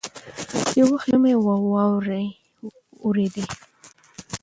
یو وخت ژمی وو او واوري اورېدلې